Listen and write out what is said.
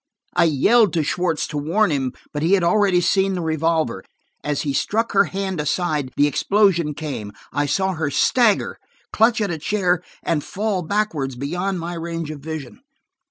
I yelled to Schwartz to warn him, but he had already seen the revolver. As he struck her hand aside, the explosion came; I saw her stagger, clutch at a chair and fall backward beyond my range of vision.